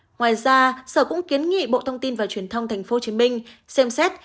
ngoài ra sở cũng kiến nghị bộ thông tin và truyền thông tp hcm xem xét